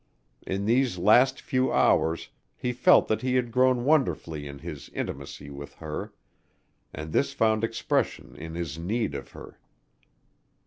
In these last few hours he felt that he had grown wonderfully in his intimacy with her and this found expression in his need of her.